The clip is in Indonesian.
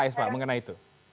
belum mengenai itu